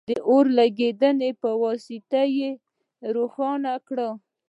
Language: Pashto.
د اور لګیت په واسطه یې روښانه کړئ.